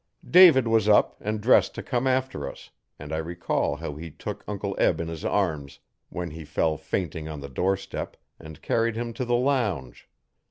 David was up and dressed to come after us, and I recall how he took Uncle Eb in his arms, when he fell fainting on the doorstep, and carried him to the lounge.